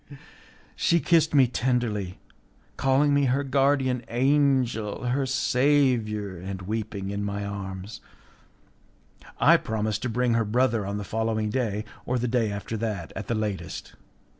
She kissed me tenderly, calling me her guardian angel, her saviour, and weeping in my arms. I promised to bring her brother on the following day, or the day after that at the latest.